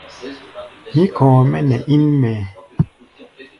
Mí kɔ̧ɔ̧ mɛ́ nɛ ín mɛɛ.